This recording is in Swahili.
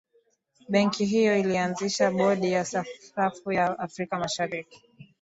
benki hiyo ilianzisha bodi ya sarafu ya afrika mashariki